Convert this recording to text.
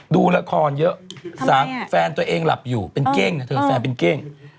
ดูละครเยอะแฟนตัวเองหลับอยู่เป็นเก้งนะเธอแฟนเป็นเก้ง